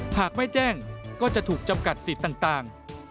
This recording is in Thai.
หากไม่แจ้งก็จะถูกจำกัดสิทธิ์ต่าง